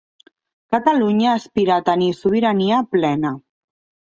Catalunya aspira a tenir sobirania plena.